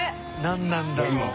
何なんだろう？